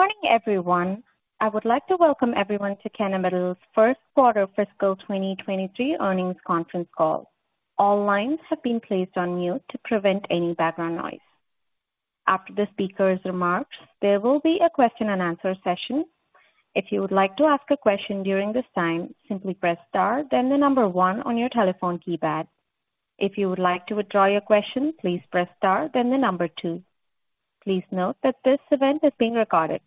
Good morning, everyone. I would like to welcome everyone to Kennametal's first quarter fiscal 2023 earnings conference call. All lines have been placed on mute to prevent any background noise. After the speaker's remarks, there will be a question and answer session. If you would like to ask a question during this time, simply press star, then the number one on your telephone keypad. If you would like to withdraw your question, please press star, then the number two. Please note that this event is being recorded.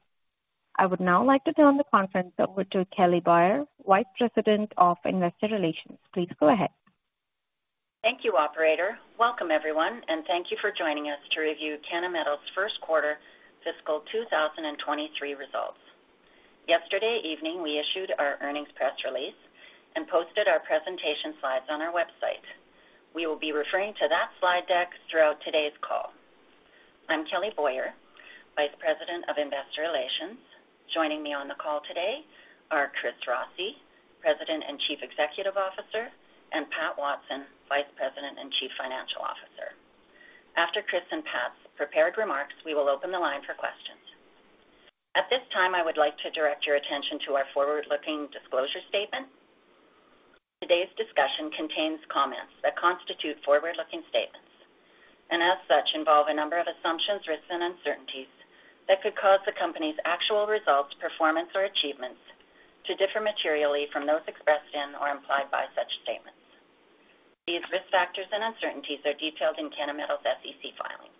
I would now like to turn the conference over to Kelly Boyer, Vice President of Investor Relations. Please go ahead. Thank you, operator. Welcome, everyone, and thank you for joining us to review Kennametal's first quarter fiscal 2023 results. Yesterday evening, we issued our earnings press release and posted our presentation slides on our website. We will be referring to that slide deck throughout today's call. I'm Kelly Boyer, Vice President of Investor Relations. Joining me on the call today are Chris Rossi, President and Chief Executive Officer, and Pat Watson, Vice President and Chief Financial Officer. After Chris and Pat's prepared remarks, we will open the line for questions. At this time, I would like to direct your attention to our forward-looking disclosure statement. Today's discussion contains comments that constitute forward-looking statements, and as such, involve a number of assumptions, risks and uncertainties that could cause the company's actual results, performance or achievements to differ materially from those expressed in or implied by such statements. These risk factors and uncertainties are detailed in Kennametal's SEC filings.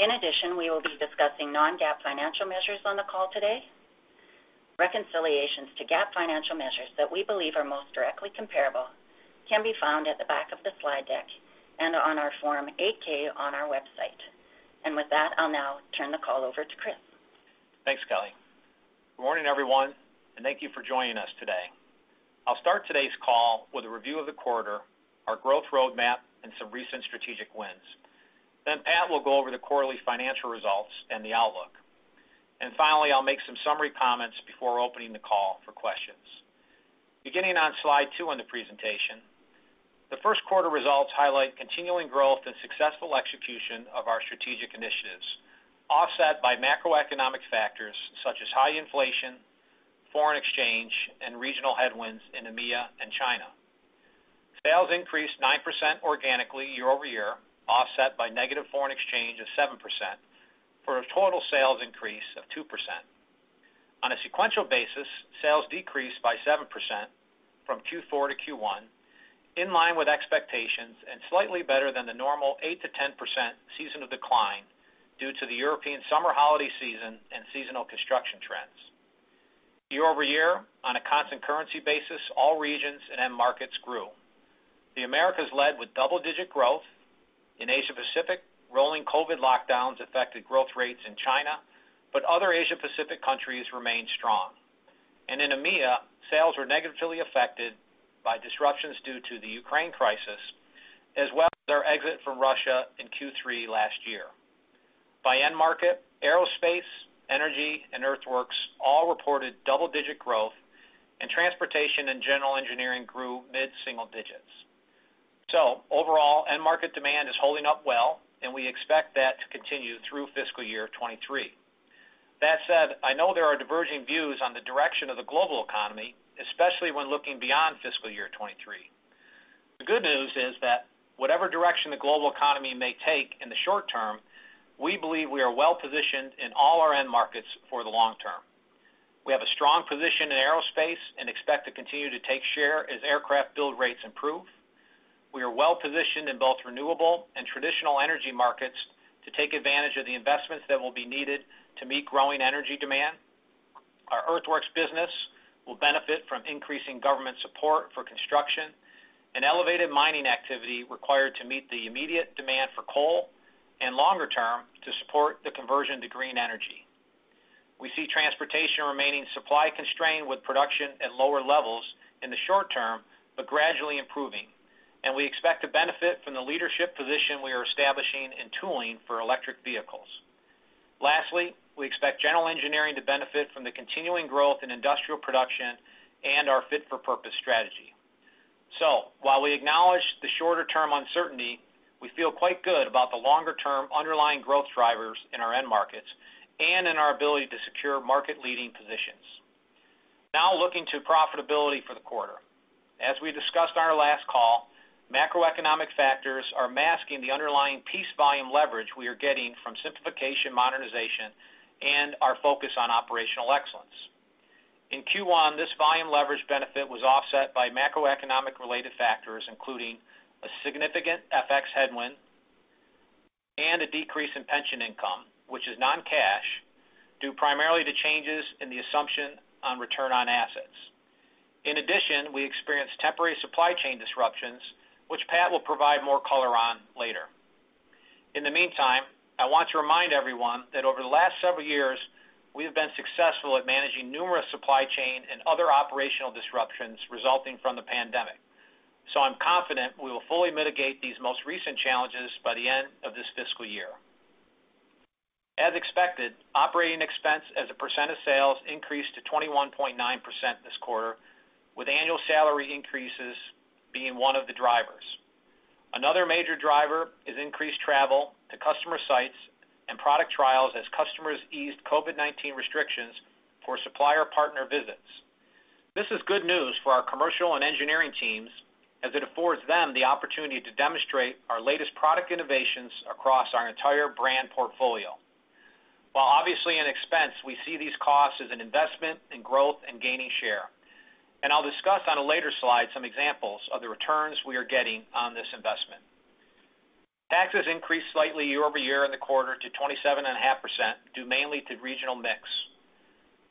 In addition, we will be discussing non-GAAP financial measures on the call today. Reconciliations to GAAP financial measures that we believe are most directly comparable can be found at the back of the slide deck and on our Form 8-K on our website. With that, I'll now turn the call over to Chris. Thanks, Kelly. Good morning, everyone, and thank you for joining us today. I'll start today's call with a review of the quarter, our growth roadmap, and some recent strategic wins. Then Pat will go over the quarterly financial results and the outlook. And finally, I'll make some summary comments before opening the call for questions. Beginning on slide two in the presentation, the first quarter results highlight continuing growth and successful execution of our strategic initiatives, offset by macroeconomic factors such as high inflation, foreign exchange, and regional headwinds in EMEA and China. Sales increased 9% organically year-over-year, offset by negative foreign exchange of 7% for a total sales increase of 2%. On a sequential basis, sales decreased by 7% from Q4 to Q1, in line with expectations and slightly better than the normal 8%-10% seasonal decline due to the European summer holiday season and seasonal construction trends. Year-over-year on a constant currency basis, all regions and end markets grew. The Americas led with double-digit growth. In Asia Pacific, rolling COVID lockdowns affected growth rates in China, but other Asia Pacific countries remained strong. In EMEA, sales were negatively affected by disruptions due to the Ukraine crisis, as well as our exit from Russia in Q3 last year. By end market, aerospace, energy, and earthworks all reported double-digit growth, and transportation and general engineering grew mid-single digits. Overall, end market demand is holding up well, and we expect that to continue through fiscal year 2023. That said, I know there are diverging views on the direction of the global economy, especially when looking beyond fiscal year 2023. The good news is that whatever direction the global economy may take in the short term, we believe we are well-positioned in all our end markets for the long term. We have a strong position in aerospace and expect to continue to take share as aircraft build rates improve. We are well-positioned in both renewable and traditional energy markets to take advantage of the investments that will be needed to meet growing energy demand. Our earthworks business will benefit from increasing government support for construction and elevated mining activity required to meet the immediate demand for coal, and longer term, to support the conversion to green energy. We see transportation remaining supply-constrained with production at lower levels in the short term, but gradually improving. We expect to benefit from the leadership position we are establishing in tooling for electric vehicles. Lastly, we expect general engineering to benefit from the continuing growth in industrial production and our fit-for-purpose strategy. While we acknowledge the shorter-term uncertainty, we feel quite good about the longer-term underlying growth drivers in our end markets and in our ability to secure market-leading positions. Now looking to profitability for the quarter. As we discussed on our last call, macroeconomic factors are masking the underlying price volume leverage we are getting from simplification, modernization, and our focus on operational excellence. In Q1, this volume leverage benefit was offset by macroeconomic-related factors, including a significant FX headwind and a decrease in pension income, which is non-cash, due primarily to changes in the assumption on return on assets. In addition, we experienced temporary supply chain disruptions, which Pat will provide more color on later. In the meantime, I want to remind everyone that over the last several years, we have been successful at managing numerous supply chain and other operational disruptions resulting from the pandemic. I'm confident we will fully mitigate these most recent challenges by the end of this fiscal year. As expected, operating expense as a percent of sales increased to 21.9% this quarter, with annual salary increases being one of the drivers. Another major driver is increased travel to customer sites and product trials as customers eased COVID-19 restrictions for supplier partner visits. This is good news for our commercial and engineering teams as it affords them the opportunity to demonstrate our latest product innovations across our entire brand portfolio. While obviously an expense, we see these costs as an investment in growth and gaining share. I'll discuss on a later slide some examples of the returns we are getting on this investment. Taxes increased slightly year over year in the quarter to 27.5% due mainly to regional mix.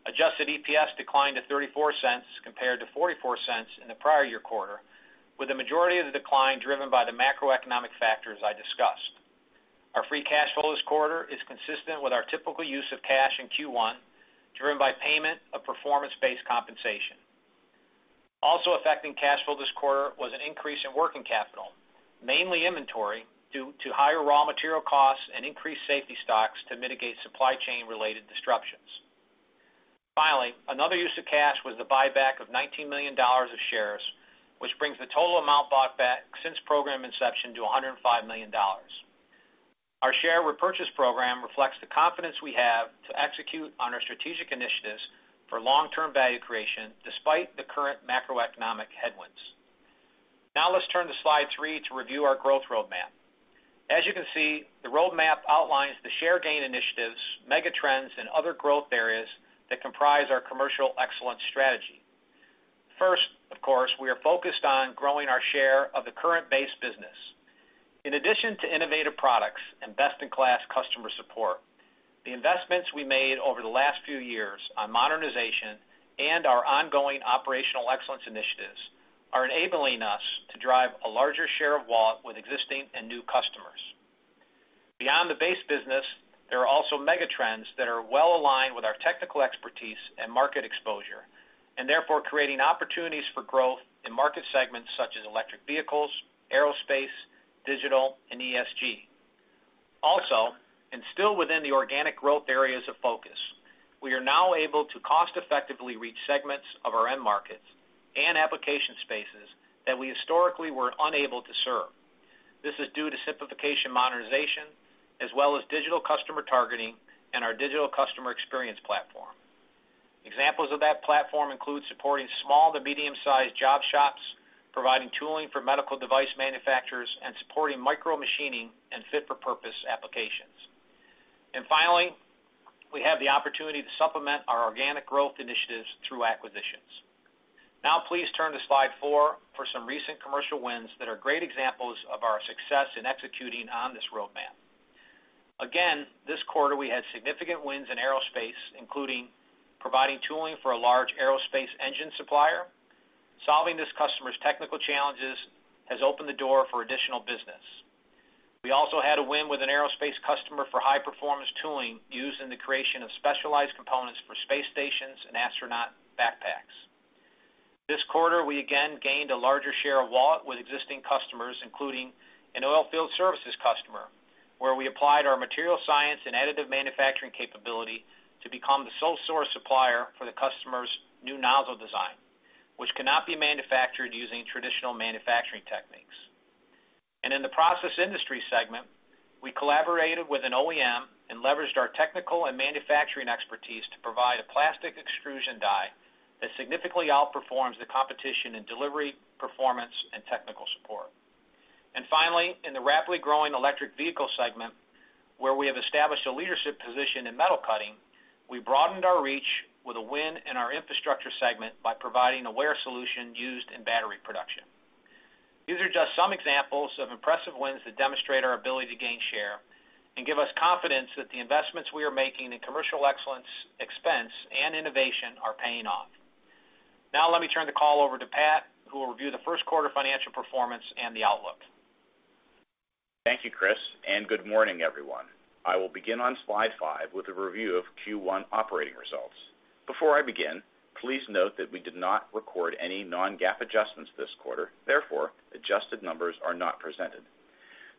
Adjusted EPS declined to $0.34 compared to $0.44 in the prior year quarter, with the majority of the decline driven by the macroeconomic factors I discussed. Our free cash flow this quarter is consistent with our typical use of cash in Q1, driven by payment of performance-based compensation. Also affecting cash flow this quarter was an increase in working capital, mainly inventory, due to higher raw material costs and increased safety stocks to mitigate supply chain-related disruptions. Finally, another use of cash was the buyback of $19 million of shares, which brings the total amount bought back since program inception to $105 million. Our share repurchase program reflects the confidence we have to execute on our strategic initiatives for long-term value creation despite the current macroeconomic headwinds. Now let's turn to slide three to review our growth roadmap. As you can see, the roadmap outlines the share gain initiatives, mega trends, and other growth areas that comprise our commercial excellence strategy. First, of course, we are focused on growing our share of the current base business. In addition to innovative products and best-in-class customer support, the investments we made over the last few years on modernization and our ongoing operational excellence initiatives are enabling us to drive a larger share of wallet with existing and new customers. Beyond the base business, there are also mega trends that are well aligned with our technical expertise and market exposure, and therefore creating opportunities for growth in market segments such as electric vehicles, aerospace, digital, and ESG. Also, and still within the organic growth areas of focus, we are now able to cost effectively reach segments of our end markets and application spaces that we historically were unable to serve. This is due to simplification modernization as well as digital customer targeting and our digital customer experience platform. Examples of that platform include supporting small to medium-sized job shops, providing tooling for medical device manufacturers, and supporting micromachining and Fit for Purpose applications. Finally, we have the opportunity to supplement our organic growth initiatives through acquisitions. Now, please turn to slide four for some recent commercial wins that are great examples of our success in executing on this roadmap. Again, this quarter, we had significant wins in aerospace, including providing tooling for a large aerospace engine supplier. Solving this customer's technical challenges has opened the door for additional business. We also had a win with an aerospace customer for high-performance tooling used in the creation of specialized components for space stations and astronaut backpacks. This quarter, we again gained a larger share of wallet with existing customers, including an oilfield services customer, where we applied our material science and additive manufacturing capability to become the sole source supplier for the customer's new nozzle design, which cannot be manufactured using traditional manufacturing techniques. In the process industry segment, we collaborated with an OEM and leveraged our technical and manufacturing expertise to provide a plastic extrusion die that significantly outperforms the competition in delivery, performance, and technical support. Finally, in the rapidly growing electric vehicle segment, where we have established a leadership position in Metal Cutting, we broadened our reach with a win in our infrastructure segment by providing a wear solution used in battery production. These are just some examples of impressive wins that demonstrate our ability to gain share and give us confidence that the investments we are making in commercial excellence, expense, and innovation are paying off. Now let me turn the call over to Pat, who will review the first quarter financial performance and the outlook. Thank you, Chris, and good morning, everyone. I will begin on slide five with a review of Q1 operating results. Before I begin, please note that we did not record any non-GAAP adjustments this quarter. Therefore, adjusted numbers are not presented.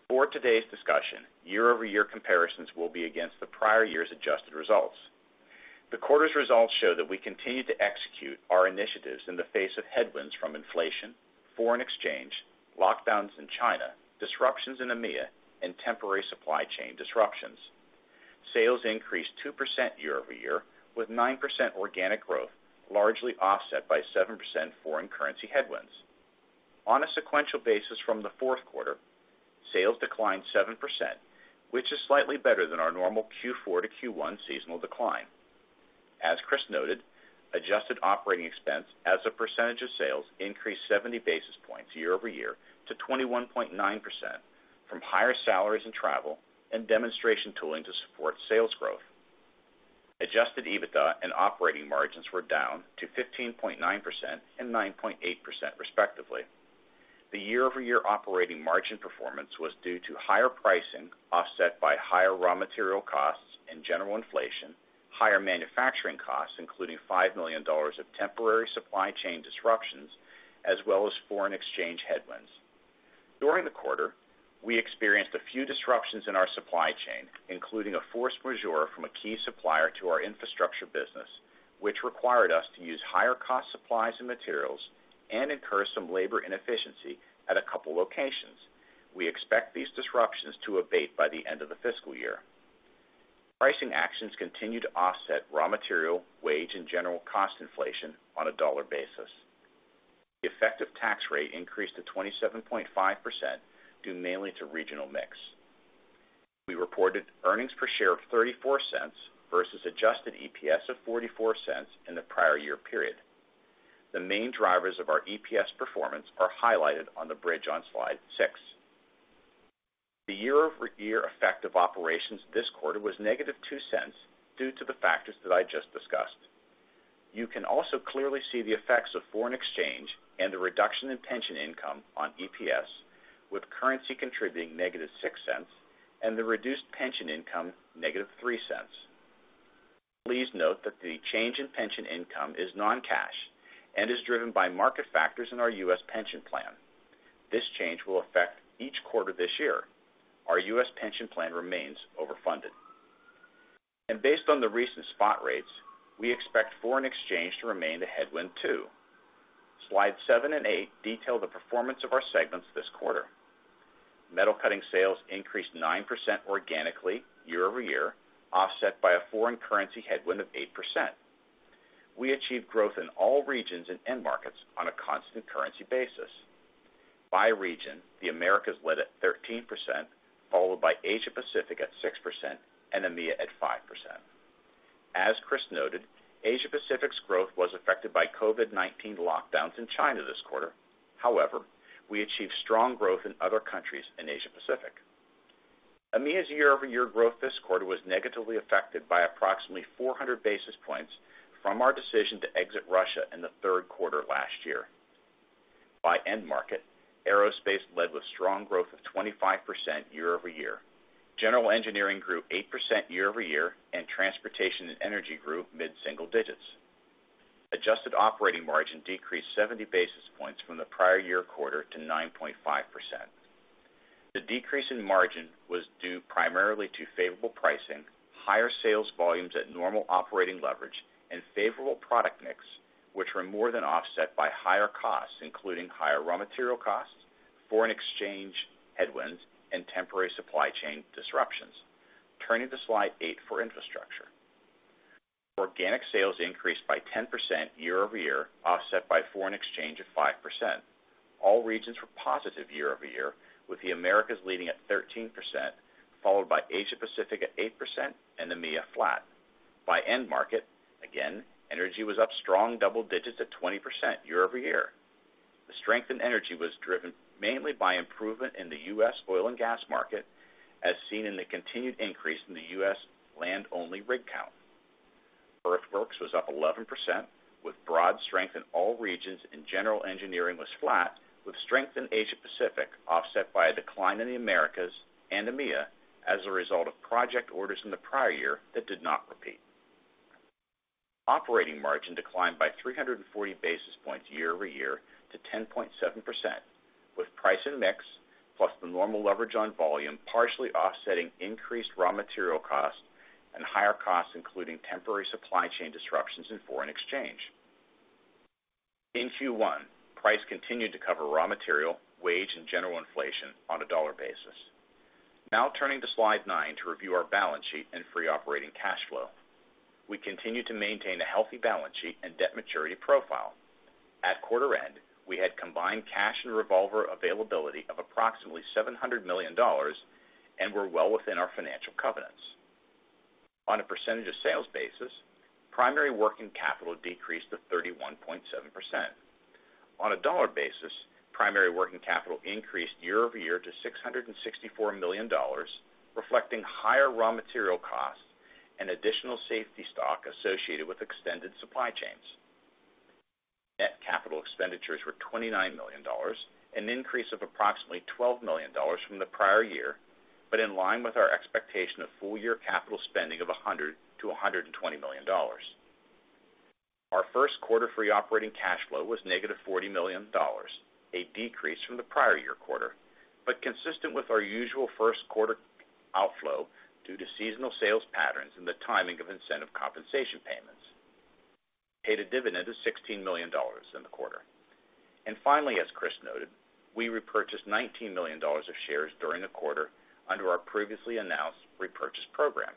For today's discussion, year-over-year comparisons will be against the prior year's adjusted results. The quarter's results show that we continue to execute our initiatives in the face of headwinds from inflation, foreign exchange, lockdowns in China, disruptions in EMEA, and temporary supply chain disruptions. Sales increased 2% year-over-year, with 9% organic growth largely offset by 7% foreign currency headwinds. On a sequential basis from the fourth quarter, sales declined 7%, which is slightly better than our normal Q4 to Q1 seasonal decline. As Chris noted, adjusted operating expense as a percentage of sales increased 70 basis points year-over-year to 21.9% from higher salaries and travel and demonstration tooling to support sales growth. Adjusted EBITDA and operating margins were down to 15.9% and 9.8% respectively. The year-over-year operating margin performance was due to higher pricing offset by higher raw material costs and general inflation, higher manufacturing costs, including $5 million of temporary supply chain disruptions, as well as foreign exchange headwinds. During the quarter, we experienced a few disruptions in our supply chain, including a force majeure from a key supplier to our infrastructure business, which required us to use higher cost supplies and materials and incur some labor inefficiency at a couple locations. We expect these disruptions to abate by the end of the fiscal year. Pricing actions continue to offset raw material, wage, and general cost inflation on a dollar basis. The effective tax rate increased to 27.5%, due mainly to regional mix. We reported earnings per share of $0.34 versus Adjusted EPS of $0.44 in the prior year period. The main drivers of our EPS performance are highlighted on the bridge on slide six. The year-over-year effect of operations this quarter was negative $0.02 due to the factors that I just discussed. You can also clearly see the effects of foreign exchange and the reduction in pension income on EPS, with currency contributing negative $0.06 and the reduced pension income negative $0.03. Please note that the change in pension income is non-cash and is driven by market factors in our U.S. pension plan. This change will affect each quarter this year. Our U.S. pension plan remains overfunded. Based on the recent spot rates, we expect foreign exchange to remain the headwind, too. Slide seven and eight detail the performance of our segments this quarter. Metal Cutting sales increased 9% organically year-over-year, offset by a foreign currency headwind of 8%. We achieved growth in all regions and end markets on a constant currency basis. By region, the Americas led at 13%, followed by Asia Pacific at 6% and EMEA at 5%. As Chris noted, Asia Pacific's growth was affected by COVID-19 lockdowns in China this quarter. However, we achieved strong growth in other countries in Asia Pacific. EMEA's year-over-year growth this quarter was negatively affected by approximately 400 basis points from our decision to exit Russia in the third quarter last year. By end market, aerospace led with strong growth of 25% year-over-year. General engineering grew 8% year-over-year, and transportation and energy grew mid-single digits. Adjusted operating margin decreased 70 basis points from the prior year quarter to 9.5%. The decrease in margin was due primarily to favorable pricing, higher sales volumes at normal operating leverage, and favorable product mix, which were more than offset by higher costs, including higher raw material costs, foreign exchange headwinds, and temporary supply chain disruptions. Turning to slide eight for infrastructure. Organic sales increased by 10% year-over-year, offset by foreign exchange of 5%. All regions were positive year-over-year, with the Americas leading at 13%, followed by Asia Pacific at 8% and EMEA flat. By end market, again, energy was up strong double digits at 20% year-over-year. The strength in energy was driven mainly by improvement in the U.S. oil and gas market, as seen in the continued increase in the U.S. land-only rig count. Earthworks was up 11% with broad strength in all regions, and general engineering was flat with strength in Asia Pacific, offset by a decline in the Americas and EMEA as a result of project orders in the prior year that did not repeat. Operating margin declined by 340 basis points year-over-year to 10.7%, with price and mix, plus the normal leverage on volume partially offsetting increased raw material costs and higher costs, including temporary supply chain disruptions in foreign exchange. In Q1, price continued to cover raw material, wage, and general inflation on a dollar basis. Now turning to slide nine to review our balance sheet and free operating cash flow. We continue to maintain a healthy balance sheet and debt maturity profile. At quarter end, we had combined cash and revolver availability of approximately $700 million and were well within our financial covenants. On a percentage of sales basis, primary working capital decreased to 31.7%. On a dollar basis, primary working capital increased year-over-year to $664 million, reflecting higher raw material costs and additional safety stock associated with extended supply chains. Net capital expenditures were $29 million, an increase of approximately $12 million from the prior year, but in line with our expectation of full year capital spending of $100 million-$120 million. Our first quarter free operating cash flow was negative $40 million, a decrease from the prior-year quarter, but consistent with our usual first quarter outflow due to seasonal sales patterns and the timing of incentive compensation payments. Paid a dividend of $16 million in the quarter. Finally, as Chris noted, we repurchased $19 million of shares during the quarter under our previously announced repurchase program.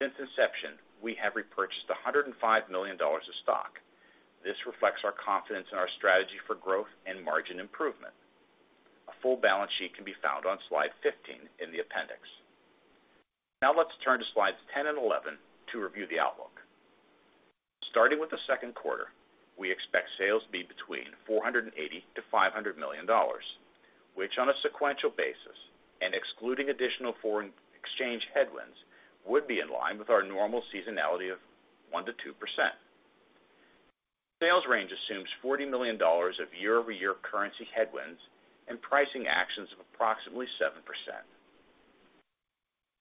Since inception, we have repurchased $105 million of stock. This reflects our confidence in our strategy for growth and margin improvement. A full balance sheet can be found on slide 15 in the appendix. Now let's turn to slides 10 and 11 to review the outlook. Starting with the second quarter, we expect sales to be between $480 million-$500 million, which on a sequential basis and excluding additional foreign exchange headwinds, would be in line with our normal seasonality of 1%-2%. Sales range assumes $40 million of year-over-year currency headwinds and pricing actions of approximately 7%.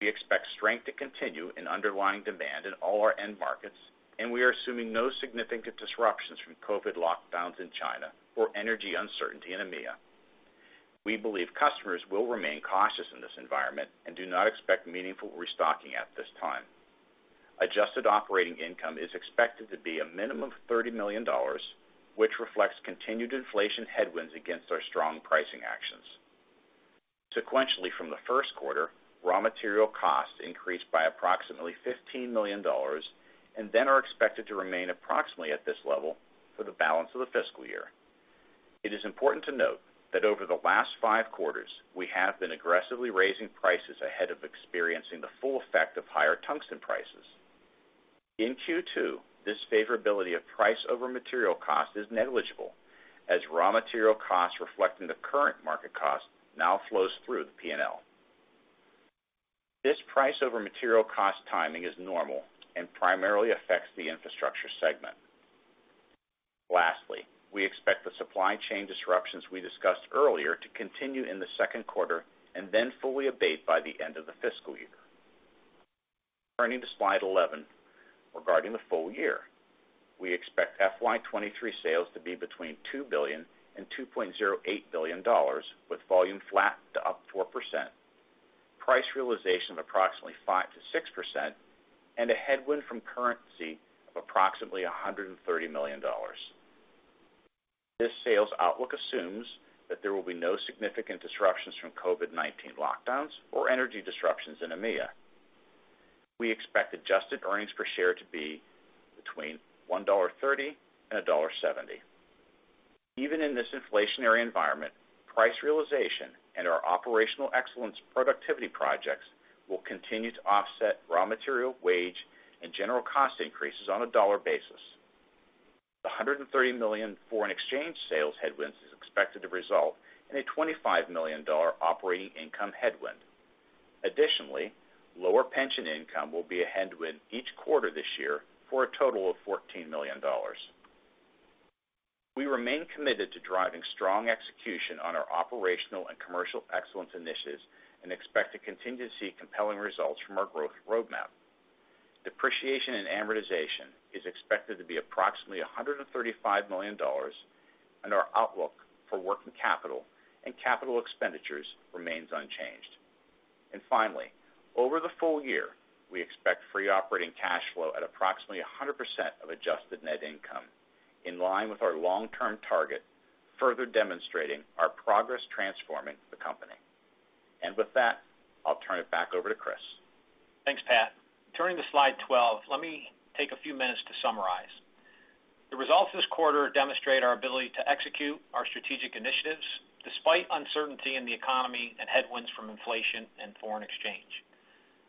We expect strength to continue in underlying demand in all our end markets, and we are assuming no significant disruptions from COVID lockdowns in China or energy uncertainty in EMEA. We believe customers will remain cautious in this environment and do not expect meaningful restocking at this time. Adjusted operating income is expected to be a minimum of $30 million, which reflects continued inflation headwinds against our strong pricing actions. Sequentially from the first quarter, raw material costs increased by approximately $15 million and then are expected to remain approximately at this level for the balance of the fiscal year. It is important to note that over the last five quarters, we have been aggressively raising prices ahead of experiencing the full effect of higher tungsten prices. In Q2, this favorability of price over material cost is negligible as raw material costs reflecting the current market cost now flows through the P&L. This price over material cost timing is normal and primarily affects the infrastructure segment. Lastly, we expect the supply chain disruptions we discussed earlier to continue in the second quarter and then fully abate by the end of the fiscal year. Turning to slide 11. Regarding the full year, we expect FY 2023 sales to be between $2 billion and $2.08 billion, with volume flat to up 4%, price realization of approximately 5%-6%, and a headwind from currency of approximately $130 million. This sales outlook assumes that there will be no significant disruptions from COVID-19 lockdowns or energy disruptions in EMEA. We expect adjusted earnings per share to be between $1.30 and $1.70. Even in this inflationary environment, price realization and our operational excellence productivity projects will continue to offset raw material, wage, and general cost increases on a dollar basis. The $130 million foreign exchange sales headwinds is expected to result in a $25 million operating income headwind. Additionally, lower pension income will be a headwind each quarter this year for a total of $14 million. We remain committed to driving strong execution on our operational and commercial excellence initiatives and expect to continue to see compelling results from our growth roadmap. Depreciation and amortization is expected to be approximately $135 million, and our outlook for working capital and capital expenditures remains unchanged. Finally, over the full year, we expect free operating cash flow at approximately 100% of adjusted net income, in line with our long-term target, further demonstrating our progress transforming the company. With that, I'll turn it back over to Chris. Thanks, Pat. Turning to slide 12, let me take a few minutes to summarize. The results this quarter demonstrate our ability to execute our strategic initiatives despite uncertainty in the economy and headwinds from inflation and foreign exchange.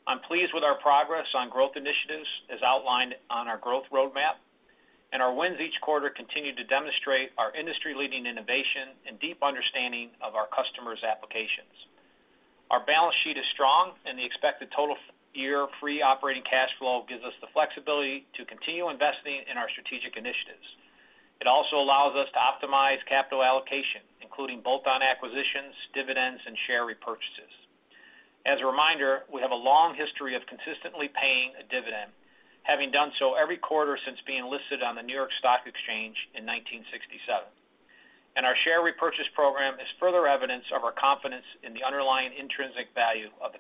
I'm pleased with our progress on growth initiatives as outlined on our growth roadmap, and our wins each quarter continue to demonstrate our industry-leading innovation and deep understanding of our customers' applications. Our balance sheet is strong, and the expected full year free operating cash flow gives us the flexibility to continue investing in our strategic initiatives. It also allows us to optimize capital allocation, including bolt-on acquisitions, dividends, and share repurchases. As a reminder, we have a long history of consistently paying a dividend, having done so every quarter since being listed on the New York Stock Exchange in 1967. Our share repurchase program is further evidence of our confidence in the underlying intrinsic value of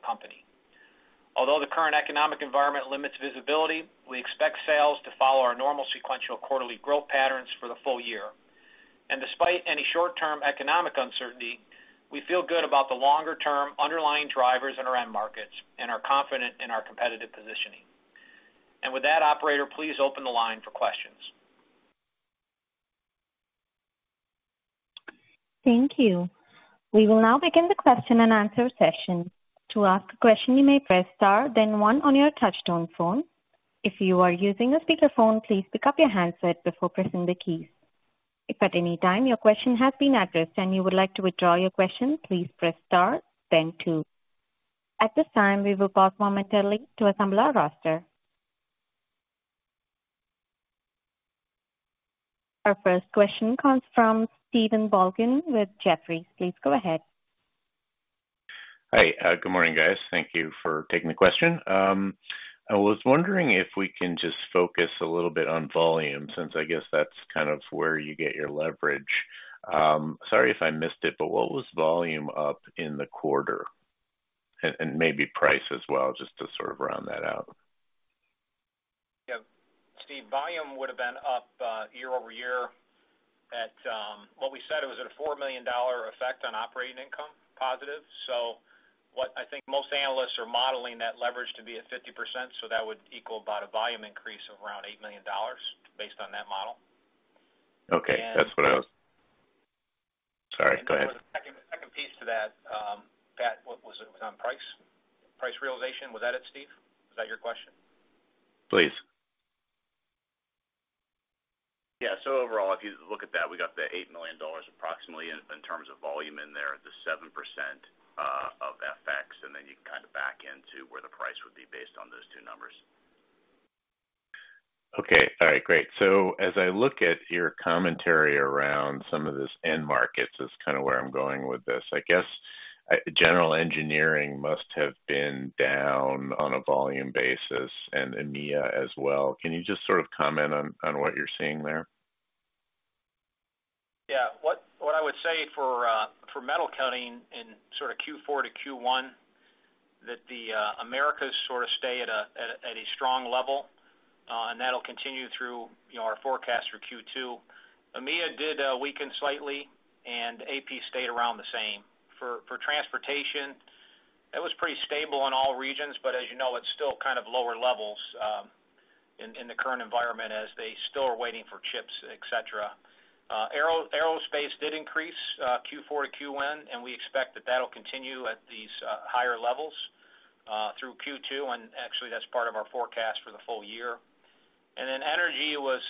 the company. Although the current economic environment limits visibility, we expect sales to follow our normal sequential quarterly growth patterns for the full year. Despite any short-term economic uncertainty, we feel good about the longer-term underlying drivers in our end markets and are confident in our competitive positioning. With that, operator, please open the line for questions. Thank you. We will now begin the question-and-answer session. To ask a question, you may press star then one on your touchtone phone. If you are using a speakerphone, please pick up your handset before pressing the keys. If at any time your question has been addressed and you would like to withdraw your question, please press star then two. At this time, we will pause momentarily to assemble our roster. Our first question comes from Stephen Volkmann with Jefferies. Please go ahead. Hi. Good morning, guys. Thank you for taking the question. I was wondering if we can just focus a little bit on volume since I guess that's kind of where you get your leverage. Sorry if I missed it, but what was volume up in the quarter? Maybe price as well, just to sort of round that out. Yeah. Steve, volume would have been up year-over-year at what we said it was at a $4 million effect on operating income positive. What I think most analysts are modeling that leverage to be at 50%, so that would equal about a volume increase of around $8 million based on that model. Okay. That's what I was. And- Sorry, go ahead. I think there was a second piece to that. Pat, what was it? Was it on price? Price realization? Was that it, Steve? Was that your question? Please. Overall, if you look at that, we got approximately $8 million in terms of volume in there, the 7% of FX, and then you can kind of back into where the price would be based on those two numbers. Okay. All right, great. As I look at your commentary around some of this end markets is kind of where I'm going with this. I guess, general engineering must have been down on a volume basis and EMEA as well. Can you just sort of comment on what you're seeing there? Yeah. What I would say for Metal Cutting in sort of Q4 to Q1, that the Americas sort of stay at a strong level, and that'll continue through, you know, our forecast for Q2. EMEA did weaken slightly, and AP stayed around the same. For transportation, that was pretty stable in all regions, but as you know, it's still kind of lower levels in the current environment as they still are waiting for chips, et cetera. Aerospace did increase Q4 to Q1, and we expect that that'll continue at these higher levels through Q2, and actually that's part of our forecast for the full year. Then energy is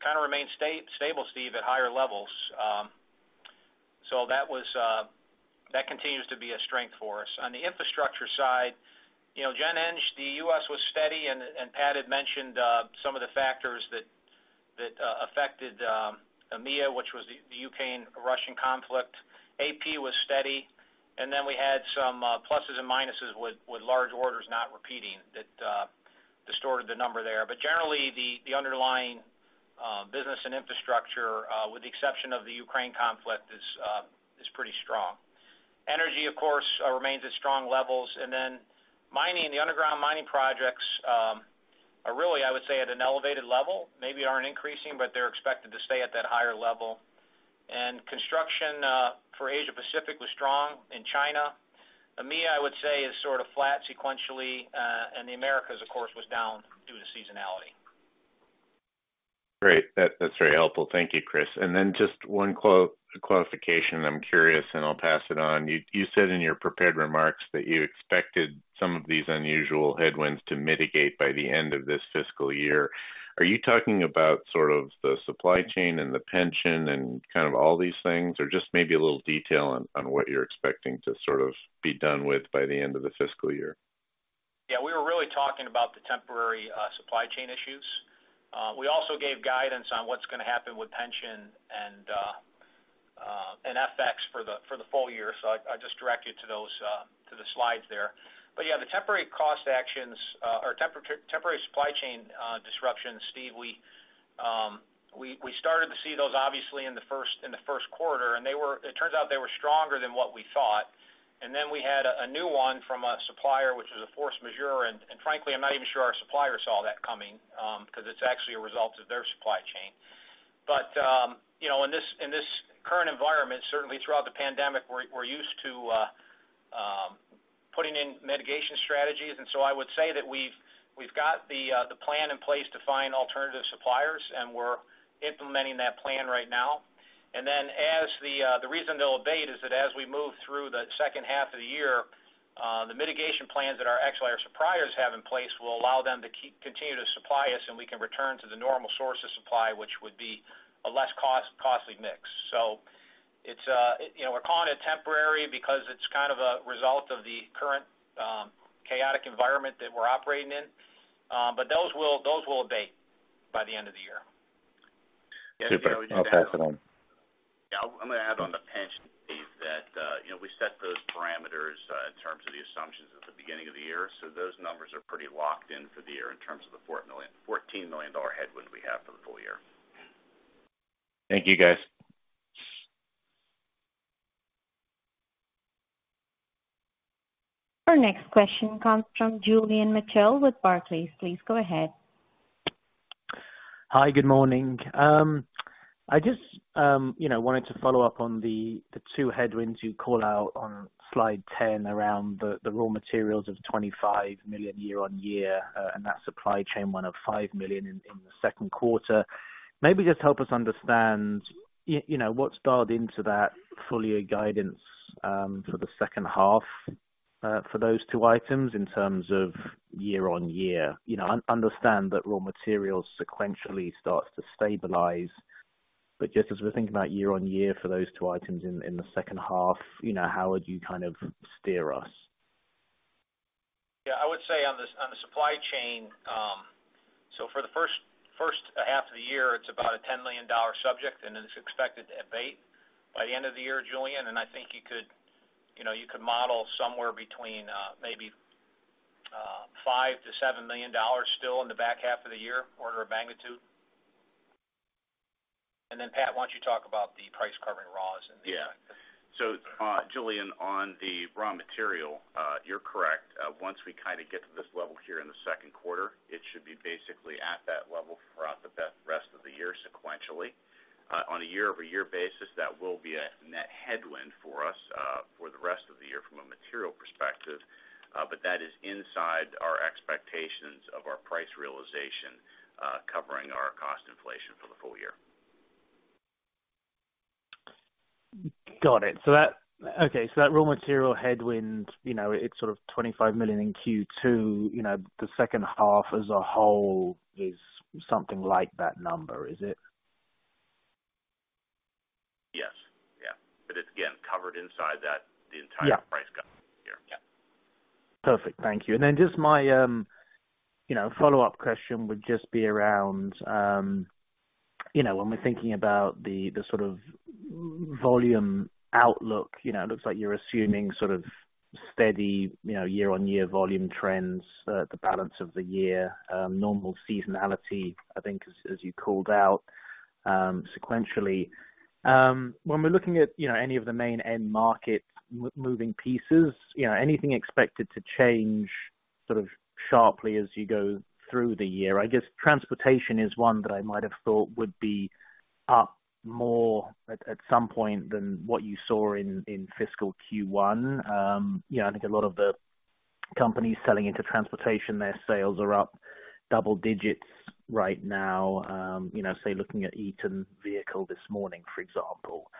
kind of remained stable, Steve, at higher levels. So that continues to be a strength for us. On the infrastructure side, general engineering, the U.S. was steady and Pat had mentioned some of the factors that affected EMEA, which was the Russia-Ukraine conflict. AP was steady. We had some pluses and minuses with large orders not repeating that distorted the number there. Generally, the underlying business and infrastructure with the exception of the Ukraine conflict is pretty strong. Energy, of course, remains at strong levels. Mining, the underground mining projects are really, I would say, at an elevated level. Maybe aren't increasing, but they're expected to stay at that higher level. Construction for Asia Pacific was strong in China. EMEIA, I would say, is sort of flat sequentially. The Americas, of course, was down due to seasonality. Great. That's very helpful. Thank you, Chris. Just one clarification. I'm curious, and I'll pass it on. You said in your prepared remarks that you expected some of these unusual headwinds to mitigate by the end of this fiscal year. Are you talking about sort of the supply chain and the pension and kind of all these things, or just maybe a little detail on what you're expecting to sort of be done with by the end of the fiscal year? Yeah, we were really talking about the temporary supply chain issues. We also gave guidance on what's gonna happen with pension and FX for the full year. I just direct you to those to the slides there. Yeah, the temporary cost actions or temporary supply chain disruptions, Steve, we started to see those obviously in the first quarter, and they were. It turns out they were stronger than what we thought. Then, we had a new one from our supplier which was force majeure and frankly, I'm not even sure our supplier saw that coming, because it's actually a result of their supply chain. You know, in this current environment, certainly throughout the pandemic, we're used to putting in mitigation strategies. I would say that we've got the plan in place to find alternative suppliers, and we're implementing that plan right now. As the reason they'll abate is that as we move through the second half of the year, the mitigation plans that actually our suppliers have in place will allow them to continue to supply us, and we can return to the normal source of supply, which would be a less costly mix. It's, you know, we're calling it temporary because it's kind of a result of the current chaotic environment that we're operating in, but those will abate by the end of the year. Super. I'll pass it on. Yeah. I'm gonna add on the pension piece that, you know, we set those parameters in terms of the assumptions at the beginning of the year. Those numbers are pretty locked in for the year in terms of the $14 million headwind we have for the full year. Thank you, guys. Our next question comes from Julian Mitchell with Barclays. Please go ahead. Hi. Good morning. I just, you know, wanted to follow up on the two headwinds you call out on slide 10 around the raw materials of $25 million year-on-year, and that supply chain of $5 million in the second quarter. Maybe just help us understand, you know, what's dialed into that full year guidance, for the second half, for those two items in terms of year-on-year. You know, I understand that raw materials sequentially starts to stabilize, but just as we're thinking about year-on-year for those two items in the second half, you know, how would you kind of steer us? Yeah. I would say on the supply chain, so for the first half of the year, it's about a $10 million subject, and it's expected to abate by the end of the year, Julian. I think you could, you know, you could model somewhere between, maybe, $5-$7 million still in the back half of the year order of magnitude. Then, Pat, why don't you talk about the price covering raws and the effect? Yeah. Julian, on the raw material, you're correct. Once we kind of get to this level here in the second quarter, it should be basically at that level throughout the rest of the year sequentially. On a year-over-year basis, that will be a net headwind for us, for the rest of the year from a material perspective. But that is inside our expectations of our price realization, covering our cost inflation for the full year. Got it. That raw material headwind, you know, it's sort of $25 million in Q2. You know, the second half as a whole is something like that number, is it? Yes, it is covered inside that, the entire price guide here. Yeah. Perfect. Thank you. Just my, you know, follow-up question would just be around, you know, when we're thinking about the sort of volume outlook, you know, it looks like you're assuming sort of steady, you know, year-on-year volume trends for the balance of the year, normal seasonality, I think as you called out, sequentially. When we're looking at, you know, any of the main end markets moving pieces, you know, anything expected to change sort of sharply as you go through the year? I guess transportation is one that I might have thought would be up more at some point than what you saw in fiscal Q1. You know, I think a lot of the companies selling into transportation, their sales are up double digits right now. You know, say, looking at Eaton Vehicle this morning, for example.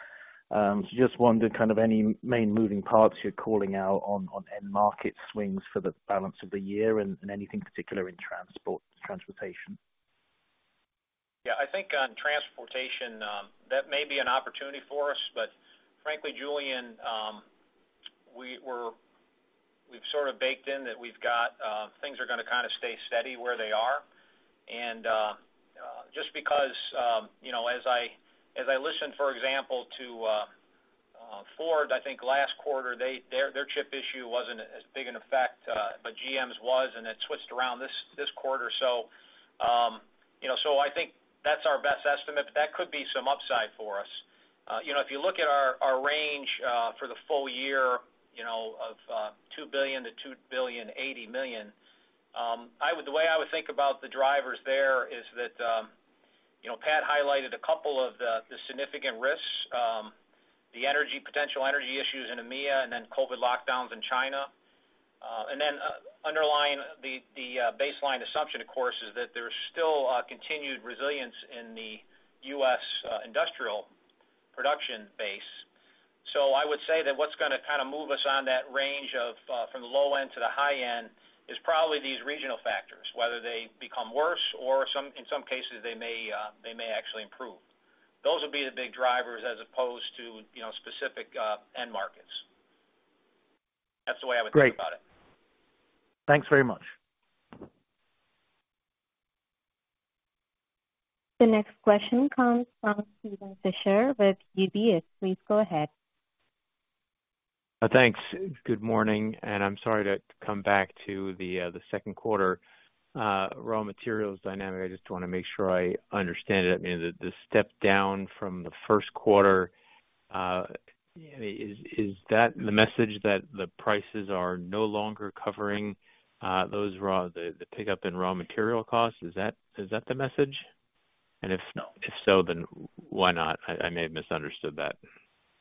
Just wondered kind of any main moving parts you're calling out on end market swings for the balance of the year and anything particular in transportation. Yeah. I think on transportation, that may be an opportunity for us. Frankly, Julian, we've sort of baked in that we've got things are gonna kind of stay steady where they are. Just because, you know, as I listened, for example, to Ford, I think last quarter, their chip issue wasn't as big an effect, but GM's was, and it switched around this quarter. You know, I think that's our best estimate. That could be some upside for us. You know, if you look at our range for the full year, you know, of $2 billion-$2.08 billion, I would... The way I would think about the drivers there is that, you know, Pat highlighted a couple of the significant risks, the energy potential energy issues in EMEA and then COVID lockdowns in China. Underlying the baseline assumption, of course, is that there's still continued resilience in the U.S. industrial production base. I would say that what's gonna kind of move us on that range from the low end to the high end is probably these regional factors, whether they become worse or, in some cases, they may actually improve. Those will be the big drivers as opposed to, you know, specific end markets. That's the way I would think about it. Great. Thanks very much. The next question comes from Steven Fisher with UBS. Please go ahead. Thanks. Good morning, and I'm sorry to come back to the second quarter raw materials dynamic. I just wanna make sure I understand it. I mean, the step down from the first quarter is that the message that the prices are no longer covering the pickup in raw material costs? Is that the message? If no, if so, then why not? I may have misunderstood that.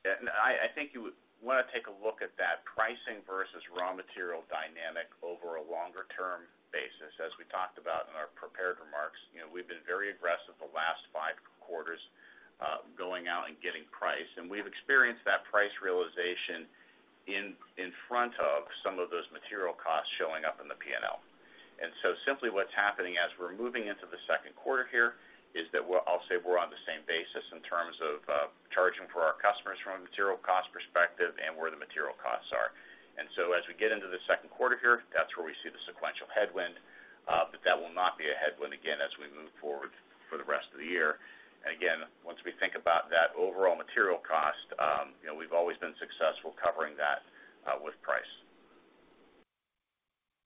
Yeah. No, I think you would wanna take a look at that pricing versus raw material dynamic over a longer term basis, as we talked about in our prepared remarks. You know, we've been very aggressive the last five quarters, going out and getting price. We've experienced that price realization in front of some of those material costs showing up in the P&L. So simply what's happening as we're moving into the second quarter here is that we're on the same basis in terms of charging for our customers from a material cost perspective and where the material costs are. As we get into the second quarter here, that's where we see the sequential headwind, but that will not be a headwind again as we move forward for the rest of the year. Again, once we think about that overall material cost, you know, we've always been successful covering that, with price.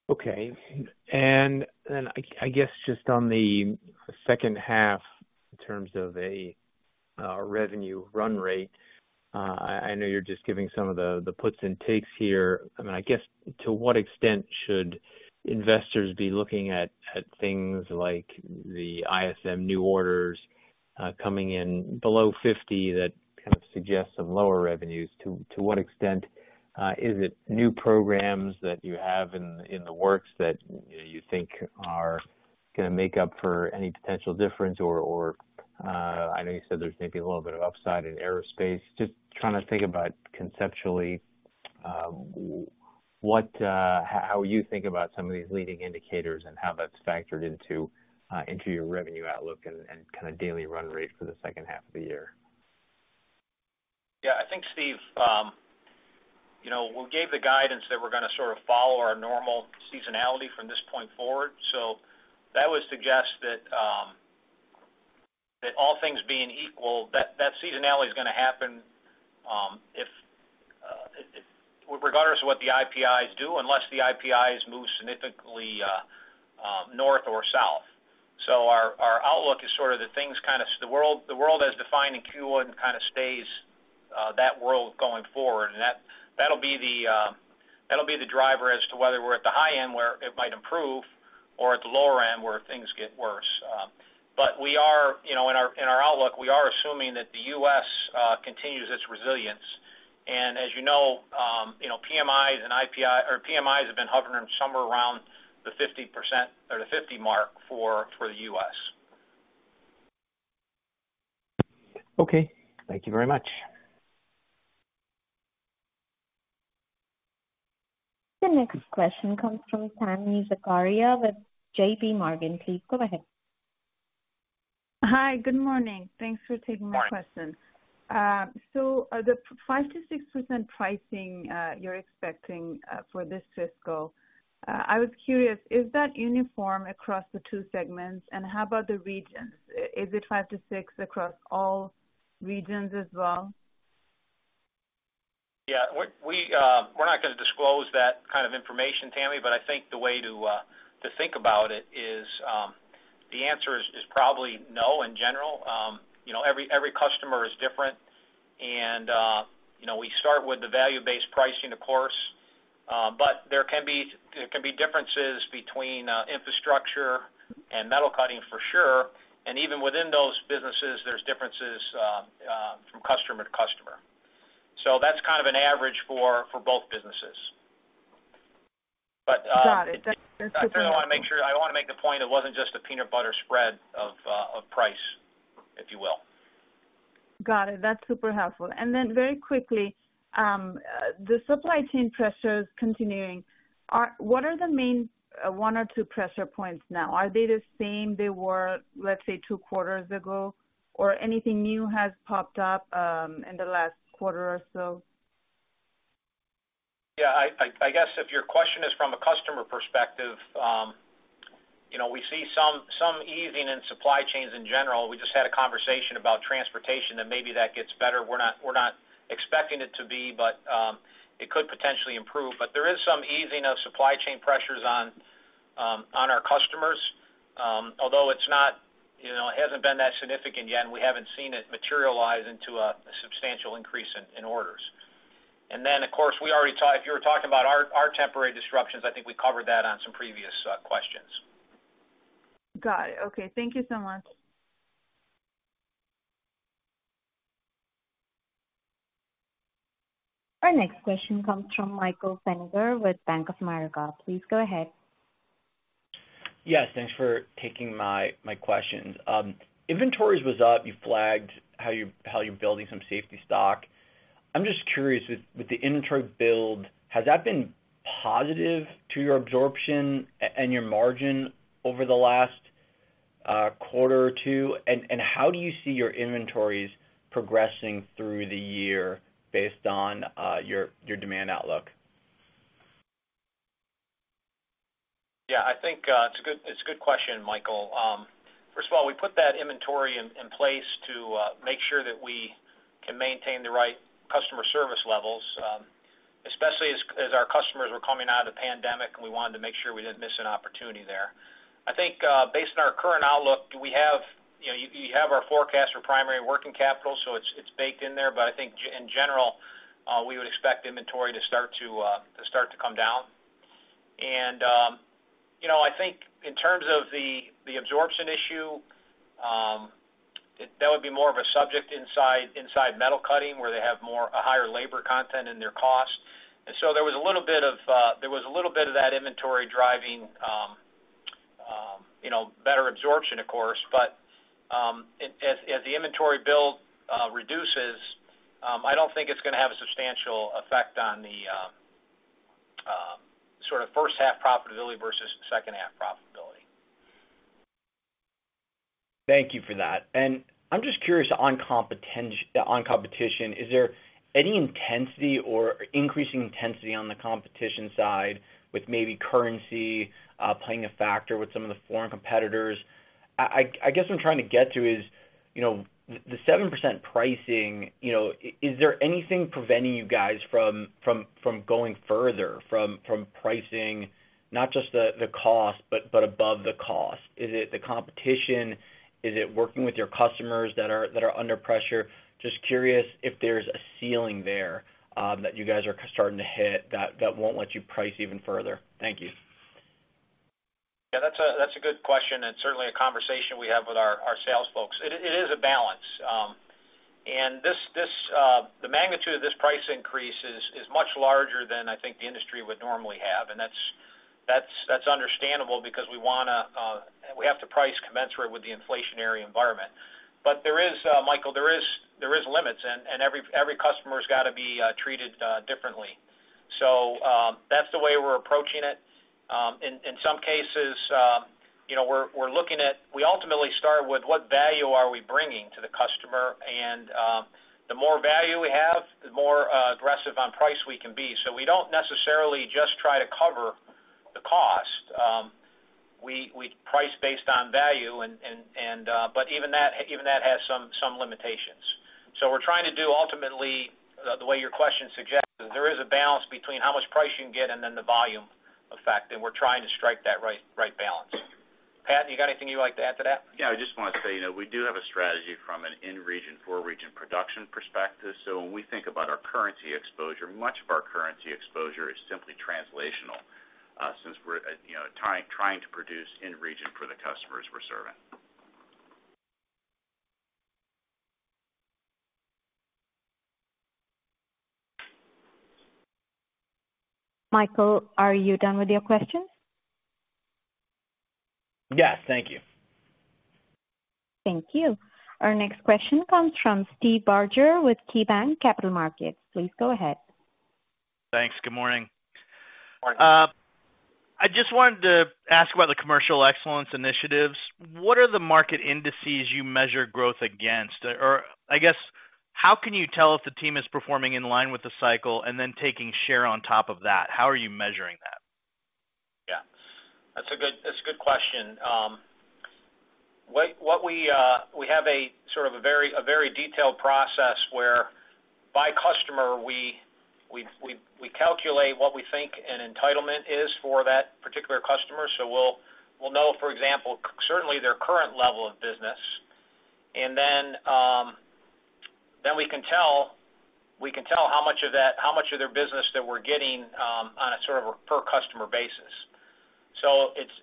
Okay. I guess just on the second half in terms of a revenue run rate, I know you're just giving some of the puts and takes here. I mean, I guess to what extent should investors be looking at things like the ISM new orders coming in below 50, that kind of suggests some lower revenues? To what extent is it new programs that you have in the works that you think are gonna make up for any potential difference? I know you said there's maybe a little bit of upside in aerospace. Just trying to think about conceptually how you think about some of these leading indicators and how that's factored into your revenue outlook and kind of daily run rate for the second half of the year. Yeah. I think, Steve, we gave the guidance that we're gonna sort of follow our normal seasonality from this point forward. That would suggest that all things being equal, that seasonality is gonna happen regardless of what the IPIs do, unless the IPIs move significantly north or south. Our outlook is sort of the things, the world as defined in Q1 kind of stays that world going forward. That'll be the driver as to whether we're at the high end where it might improve or at the lower end where things get worse. We are in our outlook assuming that the U.S. continues its resilience. As you know, you know, PMIs have been hovering somewhere around the 50% or the 50 mark for the U.S. Okay. Thank you very much. The next question comes from Tami Zakaria with JPMorgan. Please go ahead. Hi. Good morning. Thanks for taking my question. The 5%-6% pricing you're expecting for this fiscal, I was curious, is that uniform across the two segments, and how about the regions? Is it 5%-6% across all regions as well? Yeah, we're not gonna disclose that kind of information, Tami, but I think the way to think about it is the answer is probably no in general. You know, every customer is different and you know, we start with the value-based pricing of course. But there can be differences between Infrastructure and Metal Cutting for sure. Even within those businesses, there's differences from customer to customer. That's kind of an average for both businesses. Got it. That's super helpful. I wanna make the point it wasn't just a peanut butter spread of price, if you will. Got it. That's super helpful. Very quickly, the supply chain pressures continuing, what are the main one or two pressure points now? Are they the same they were, let's say, two quarters ago, or anything new has popped up in the last quarter or so? Yeah, I guess if your question is from a customer perspective, you know, we see some easing in supply chains in general. We just had a conversation about transportation, that maybe that gets better. We're not expecting it to be, but it could potentially improve. But there is some easing of supply chain pressures on our customers. Although it's not, you know, it hasn't been that significant yet, and we haven't seen it materialize into a substantial increase in orders. Then of course we already talked, if you were talking about our temporary disruptions, I think we covered that on some previous questions. Got it. Okay. Thank you so much. Our next question comes from Michael Feniger with Bank of America. Please go ahead. Yes, thanks for taking my questions. Inventories was up. You flagged how you're building some safety stock. I'm just curious, with the inventory build, has that been positive to your absorption and your margin over the last quarter or two? How do you see your inventories progressing through the year based on your demand outlook? Yeah, I think it's a good question, Michael. First of all, we put that inventory in place to make sure that we can maintain the right customer service levels, especially as our customers were coming out of the pandemic, and we wanted to make sure we didn't miss an opportunity there. I think based on our current outlook, we have, you know, you have our forecast for primary working capital, so it's baked in there. I think in general we would expect inventory to start to come down. You know, I think in terms of the absorption issue, that would be more of a subject inside Metal Cutting, where they have a higher labor content in their cost. There was a little bit of that inventory driving, you know, better absorption of course. As the inventory build reduces, I don't think it's gonna have a substantial effect on the sort of first half profitability versus second half profitability. Thank you for that. I'm just curious on competition, is there any intensity or increasing intensity on the competition side with maybe currency playing a factor with some of the foreign competitors? I guess what I'm trying to get to is, you know, the 7% pricing, you know, is there anything preventing you guys from going further, from pricing not just the cost, but above the cost? Is it the competition? Is it working with your customers that are under pressure? Just curious if there's a ceiling there that you guys are starting to hit that won't let you price even further. Thank you. Yeah, that's a good question, and certainly a conversation we have with our sales folks. It is a balance. The magnitude of this price increase is much larger than I think the industry would normally have. That's understandable because we wanna, we have to price commensurate with the inflationary environment. There is, Michael, there is limits, and every customer's gotta be treated differently. That's the way we're approaching it. In some cases, you know, we ultimately start with what value are we bringing to the customer. The more value we have, the more aggressive on price we can be. We don't necessarily just try to cover the cost. We price based on value and but even that has some limitations. We're trying to do ultimately the way your question suggests is there is a balance between how much price you can get and then the volume effect, and we're trying to strike that right balance. Pat, you got anything you'd like to add to that? Yeah, I just wanna say, you know, we do have a strategy from an in-region, for-region production perspective. When we think about our currency exposure, much of our currency exposure is simply translational, since we're, you know, trying to produce in region for the customers we're serving. Michael, are you done with your questions? Yes. Thank you. Thank you. Our next question comes from Steve Barger with KeyBanc Capital Markets. Please go ahead. Thanks. Good morning. Morning. I just wanted to ask about the commercial excellence initiatives. What are the market indices you measure growth against? Or I guess, how can you tell if the team is performing in line with the cycle and then taking share on top of that? How are you measuring that? Yeah. That's a good question. We have a sort of a very detailed process whereby customer we calculate what we think an entitlement is for that particular customer. We'll know, for example, certainly their current level of business. Then, we can tell how much of their business that we're getting on a sort of a per customer basis.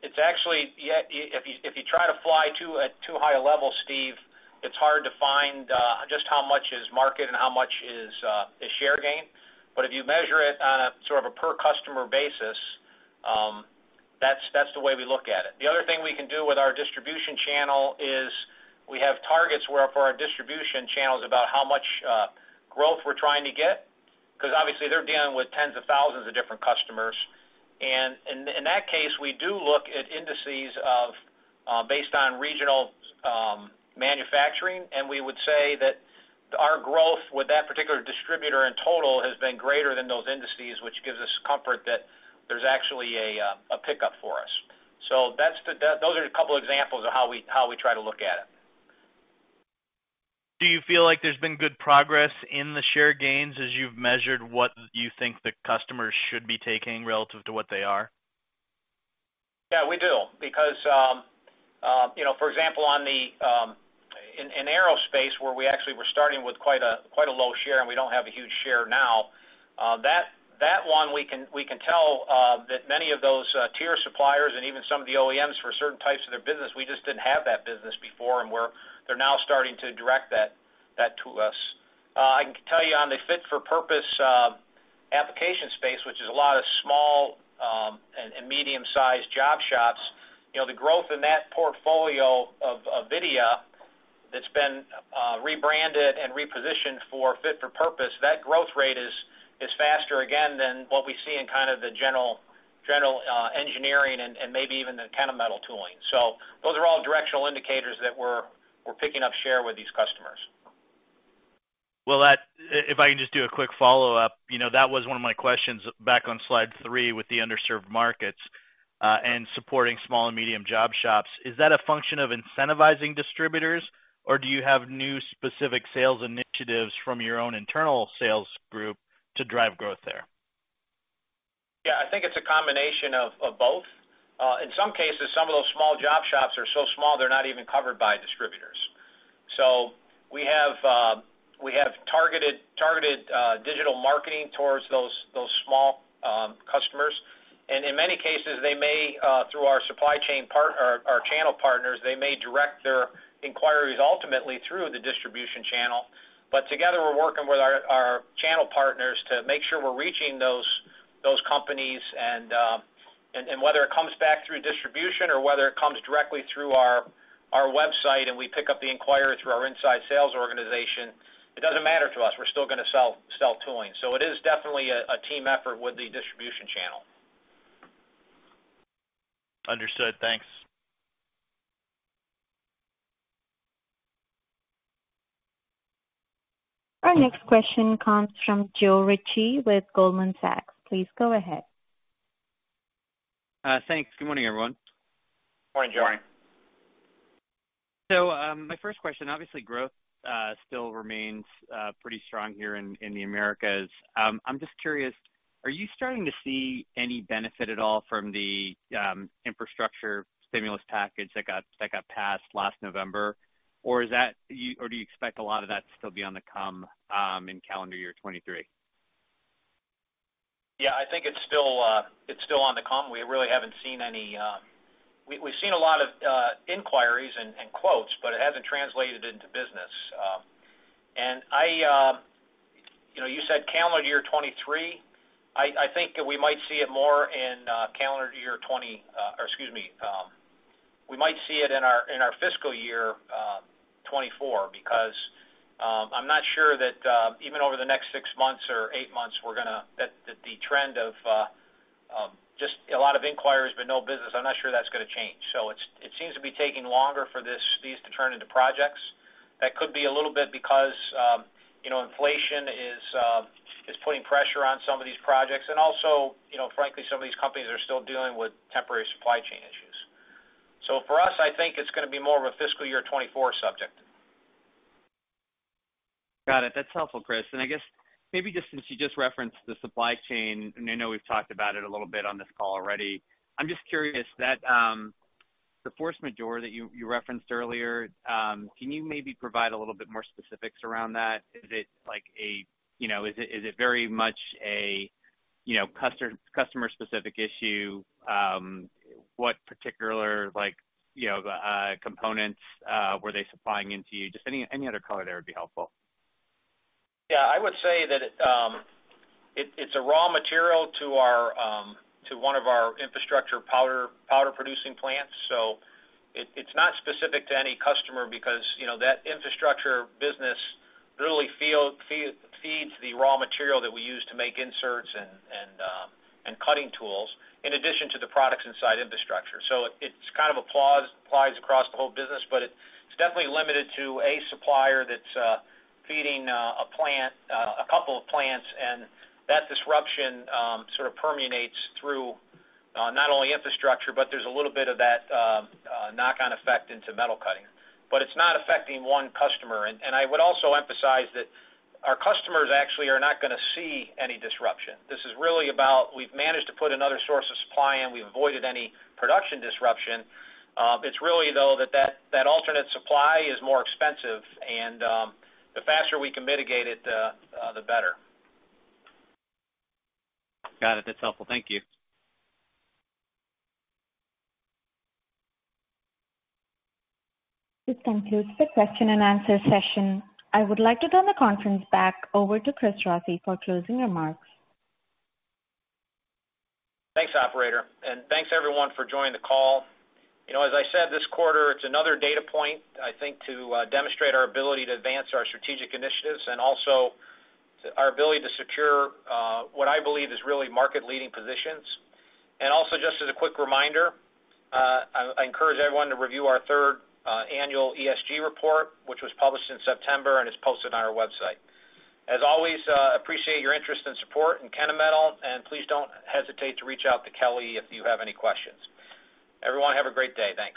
It's actually if you try to fly at too high a level, Steve, it's hard to find just how much is market and how much is share gain, but if you measure it on a sort of a per customer basis, that's the way we look at it. The other thing we can do with our distribution channel is we have targets where for our distribution channels about how much growth we're trying to get because obviously they're dealing with tens of thousands of different customers. In that case, we do look at indices based on regional manufacturing. We would say that our growth with that particular distributor in total has been greater than those indices, which gives us comfort that there's actually a pickup for us. Those are a couple examples of how we try to look at it. Do you feel like there's been good progress in the share gains as you've measured what you think the customers should be taking relative to what they are? Yeah, we do. Because you know, for example, in aerospace, where we actually were starting with quite a low share, and we don't have a huge share now, that one we can tell that many of those tier suppliers and even some of the OEMs for certain types of their business, we just didn't have that business before, and they're now starting to direct that to us. I can tell you on the Fit for Purpose application space, which is a lot of small and medium-sized job shops, you know, the growth in that portfolio of WIDIA that's been rebranded and repositioned for Fit for Purpose, that growth rate is faster again than what we see in kind of the general engineering and maybe even the Kennametal tooling. Those are all directional indicators that we're picking up share with these customers. Well, if I can just do a quick follow-up. You know, that was one of my questions back on slide three with the underserved markets, and supporting small and medium job shops. Is that a function of incentivizing distributors, or do you have new specific sales initiatives from your own internal sales group to drive growth there? Yeah. I think it's a combination of both. In some cases, some of those small job shops are so small they're not even covered by distributors. We have targeted digital marketing towards those small customers. In many cases, they may, through our channel partners, direct their inquiries ultimately through the distribution channel. Together, we're working with our channel partners to make sure we're reaching those companies and whether it comes back through distribution or whether it comes directly through our website and we pick up the inquiry through our inside sales organization, it doesn't matter to us. We're still gonna sell tooling. It is definitely a team effort with the distribution channel. Understood. Thanks. Our next question comes from Joe Ritchie with Goldman Sachs. Please go ahead. Thanks. Good morning, everyone. Morning, Joe. My first question, obviously growth still remains pretty strong here in the Americas. I'm just curious, are you starting to see any benefit at all from the infrastructure stimulus package that got passed last November? Or is that? Or do you expect a lot of that to still be on the come in calendar year 2023? Yeah. I think it's still on the come. We really haven't seen any. We've seen a lot of inquiries and quotes, but it hasn't translated into business. You know, you said calendar year 2023. I think we might see it more in calendar year twenty. Excuse me, we might see it in our fiscal year 2024 because I'm not sure that even over the next six months or eight months, we're gonna. The trend of just a lot of inquiries but no business, I'm not sure that's gonna change. It seems to be taking longer for these to turn into projects. That could be a little bit because, you know, inflation is putting pressure on some of these projects. You know, frankly, some of these companies are still dealing with temporary supply chain issues. For us, I think it's gonna be more of a fiscal year 2024 subject. Got it. That's helpful, Chris. I guess maybe just since you just referenced the supply chain, and I know we've talked about it a little bit on this call already. I'm just curious that the force majeure that you referenced earlier, can you maybe provide a little bit more specifics around that? Is it very much a you know customer specific issue? What particular like you know components were they supplying into you? Just any other color there would be helpful. Yeah. I would say that it's a raw material to one of our Infrastructure powder producing plants. It's not specific to any customer because, you know, that Infrastructure business really feeds the raw material that we use to make inserts and cutting tools in addition to the products inside Infrastructure. It's kind of applies across the whole business, but it's definitely limited to a supplier that's feeding a plant, a couple of plants. That disruption sort of permeates through not only Infrastructure, but there's a little bit of that knock-on effect into Metal Cutting. It's not affecting one customer. I would also emphasize that our customers actually are not gonna see any disruption. This is really about we've managed to put another source of supply in. We've avoided any production disruption. It's really though that alternate supply is more expensive and, the faster we can mitigate it, the better. Got it. That's helpful. Thank you. This concludes the question and answer session. I would like to turn the conference back over to Chris Rossi for closing remarks. Thanks, operator, and thanks everyone for joining the call. You know, as I said, this quarter, it's another data point, I think, to demonstrate our ability to advance our strategic initiatives and also our ability to secure what I believe is really market leading positions. Just as a quick reminder, I encourage everyone to review our third annual ESG report, which was published in September and is posted on our website. As always, appreciate your interest and support in Kennametal, and please don't hesitate to reach out to Kelly if you have any questions. Everyone, have a great day. Thanks.